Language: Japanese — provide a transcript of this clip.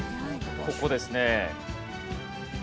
ここですね。